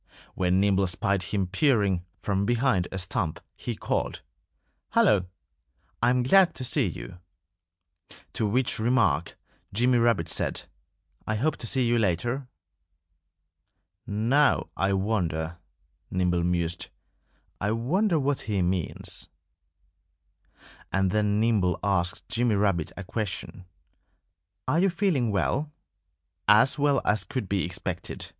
When Nimble spied him peering from behind a stump he called, "Hullo! I'm glad to see you." To which remark Jimmy Rabbit said, "I hope to see you later." "Now, I wonder " Nimble mused "I wonder what he means." And then Nimble asked Jimmy Rabbit a question: "Are you feeling well?" "As well as could be expected!"